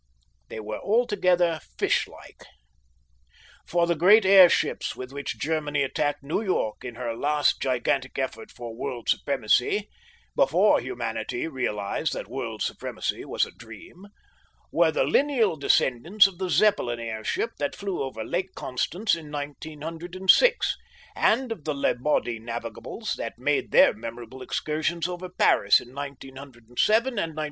They were altogether fish like. For the great airships with which Germany attacked New York in her last gigantic effort for world supremacy before humanity realized that world supremacy was a dream were the lineal descendants of the Zeppelin airship that flew over Lake Constance in 1906, and of the Lebaudy navigables that made their memorable excursions over Paris in 1907 and 1908.